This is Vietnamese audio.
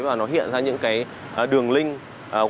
và nó hiện ra những cái đường link